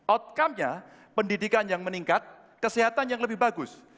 outcome nya pendidikan yang meningkat kesehatan yang lebih bagus